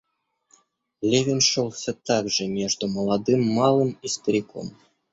Левин шел всё так же между молодым малым и стариком.